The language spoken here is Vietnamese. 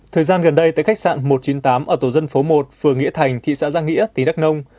thời gian gần đây tại khách sạn một trăm chín mươi tám ở tổ dân phố một phường nghĩa thành thị xã giang nghĩa tỉnh đắk nông